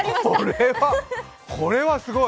これはすごい。